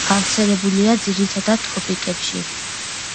გავრცელებულია ძირითადად ტროპიკებში.